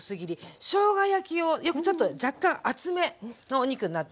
しょうが焼きをよくちょっと若干厚めのお肉になっております。